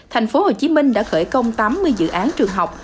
thành phố hồ chí minh đã khởi công tám mươi dự án trường học